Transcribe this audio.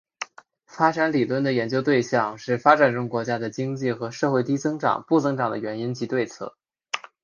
发展理论的研究对象是发展中国家的经济和社会低增长不增长的原因及对策。